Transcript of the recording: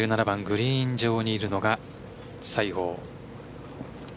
１７番グリーン上にいるのが西郷。